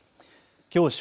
きょう正